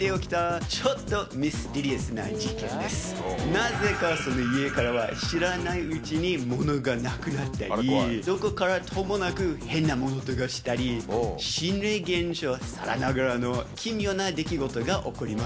なぜかその家からは知らないうちにモノがなくなったりどこからともなく変な物音がしたり心霊現象さながらの奇妙な出来事が起こります。